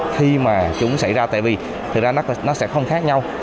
thì mà chúng xảy ra tại vì thật ra nó sẽ không khác nhau